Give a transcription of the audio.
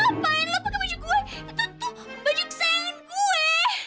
ngapain lo pake baju gue itu tuh baju kesayangan gue